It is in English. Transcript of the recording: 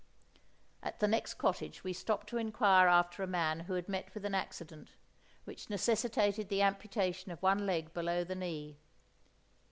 At the next cottage we stopped to inquire after a man who had met with an accident, which necessitated the amputation of one leg below the knee.